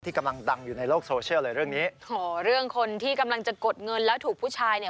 กำลังดังอยู่ในโลกโซเชียลเลยเรื่องนี้โหเรื่องคนที่กำลังจะกดเงินแล้วถูกผู้ชายเนี่ย